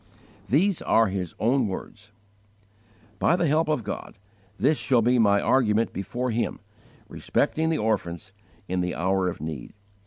These are his own words: "By the help of God, this shall be my argument before Him, respecting the orphans, in the hour of need.